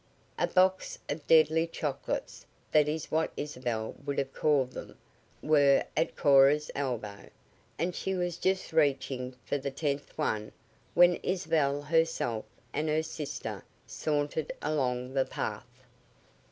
A box of "deadly chocolates" that is what Isabel would have called them were at Cora's elbow, and she was just reaching for the tenth one, when Isabel herself, and her sister, sauntered along the path.